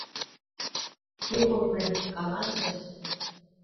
— Кӧ ойлен, каласе!